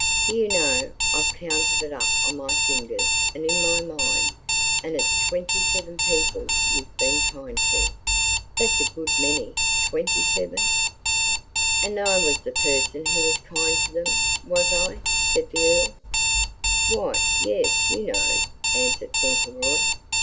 Do you know, I've counted it up on my fingers and in my mind, and it's twenty seven people you've been kind to. That's a good many twenty seven!" "And I was the person who was kind to them was I?" said the Earl. "Why, yes, you know," answered Fauntleroy.